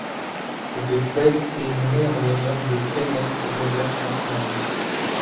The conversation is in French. Cette espèce est nommée en l'honneur de Kenneth Robert Tasman.